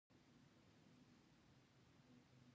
د غويي او غبرګولي په پیل کې ډنډونه تیارول کېږي.